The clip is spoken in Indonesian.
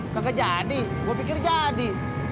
lo gak jadi gue pikir jadi